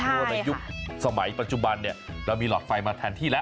เพราะว่าในยุคสมัยปัจจุบันเนี่ยเรามีหลอดไฟมาแทนที่แล้ว